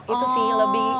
itu sih lebih